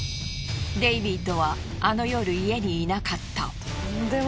デイビッドはあの夜家にいなかった。